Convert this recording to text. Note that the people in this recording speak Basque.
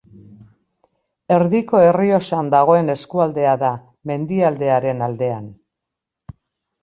Erdiko Errioxan dagoen eskualdea da, mendialdearen aldean.